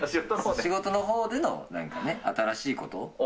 仕事の中でなんかね、新しいこと。